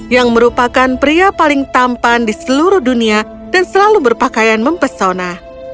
yang merupakan pria paling tampan di seluruh dunia dan selalu berpakaian mempesona